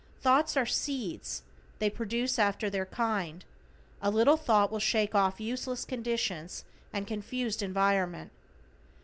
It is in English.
Thoughts are seeds, they produce after their kind. A little thought will shake off useless conditions and confused environment.